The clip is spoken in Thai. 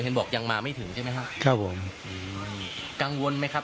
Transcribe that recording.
บอกยังมาไม่ถึงใช่ไหมฮะครับผมอืมกังวลไหมครับ